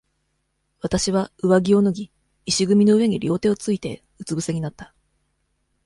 私は、上着を脱ぎ、石組みの上に両手をついて、うつ伏せになった。